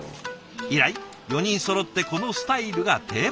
以来４人そろってこのスタイルが定番に。